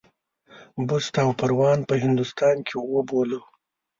بُست او پروان په هندوستان کې وبولو.